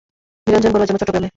নিরঞ্জন বড়ুয়ার জন্ম চট্টগ্রামে।